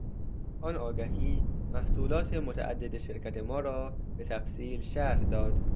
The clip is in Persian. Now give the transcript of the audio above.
آن آگهی محصولات متعدد شرکت ما را به تفصیل شرح داد.